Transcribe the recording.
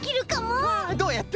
どうやって？